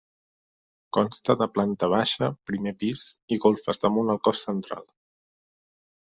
Consta de planta baixa, primer pis, i golfes damunt el cos central.